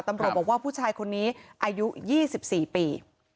ตำรวจบอกว่าผู้ชายคนนี้อายุ๒๔ปี